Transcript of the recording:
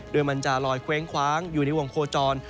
โดยมันจะลอยเคว้งคว้างอยู่ในวงโคจร